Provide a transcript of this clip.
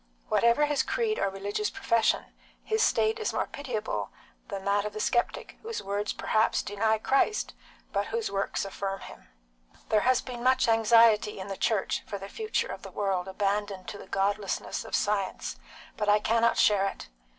Whatever his creed or his religious profession, his state is more pitiable than that of the sceptic, whose words perhaps deny Christ, but whose works affirm Him. There has been much anxiety in the Church for the future of the world abandoned to the godlessness of science, but I cannot share it.